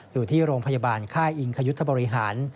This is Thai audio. อยู่ที่โรงพยาบาลค่ายอิงคยุทธบริหาร